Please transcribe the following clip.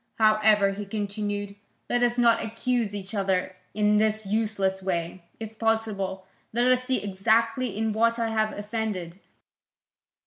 However," he continued, "let us not accuse each other in this useless way; if possible, let us see exactly in what I have offended.